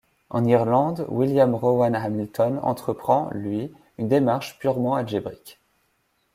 En Irlande, William Rowan Hamilton entreprend, lui, une démarche purement algébrique.